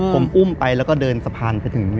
ผมอุ้มไปแล้วก็เดินสะพานไปถึง